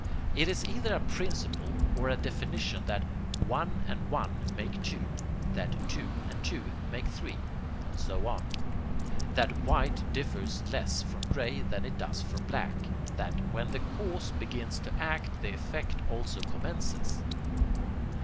It is either a principle or a definition that 1 and 1 make 2, that 2 and 1 make 3, and so on; that white differs less from gray than it does from black; that when the cause begins to act the effect also commences.